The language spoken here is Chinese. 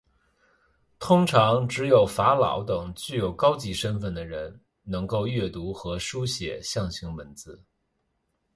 通常只有法老等具有高级身份的人们能够阅读和书写象形文字。